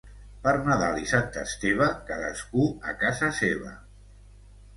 Per Nadal i Sant Esteve, cadascú a casa seva.